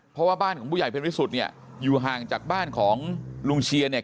เพราะว่าบ้านของผู้ใหญ่เพ็ญวิสุทธิ์เนี่ยอยู่ห่างจากบ้านของลุงเชียร์เนี่ย